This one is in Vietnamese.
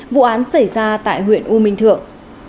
vụ án xảy ra tại huyện u minh thượng